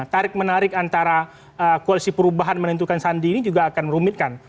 tarik menarik antara koalisi perubahan menentukan sandi ini juga akan merumitkan